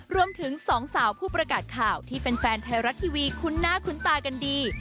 สองสาวผู้ประกาศข่าวที่แฟนไทยรัฐทีวีคุ้นหน้าคุ้นตากันดี